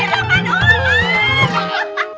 bagaimana dia siluman ular